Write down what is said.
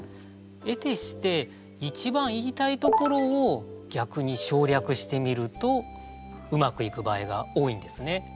えてして一番言いたいところをぎゃくに省略してみるとうまくいく場合が多いんですね。